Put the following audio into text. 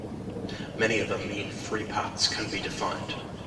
Many other mean free paths can be defined.